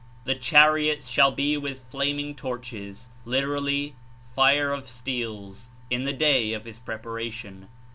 ''The char iots shall he with flaming torches (literally, fire of steels) in the day of his preparation."